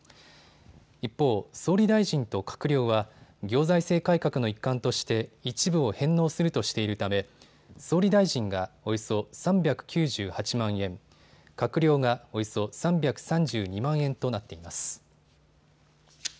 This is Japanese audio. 一方、総理大臣と閣僚は行財政改革の一環として一部を返納するとしているため総理大臣がおよそ３９８万円、閣僚がおよそ３３２万円となっています。